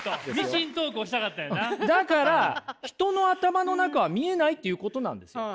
だから人の頭の中は見えないっていうことなんですよ。